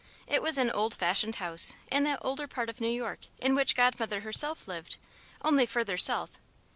It was an old fashioned house in that older part of New York in which Godmother herself lived only further south.